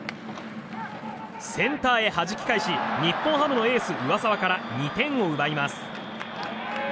センターへはじき返し日本ハムのエース上沢から２点を奪います。